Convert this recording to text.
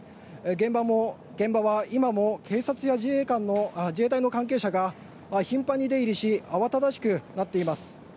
現場は今も警察や自衛隊の関係者が頻繁に出入りし慌ただしくなっています。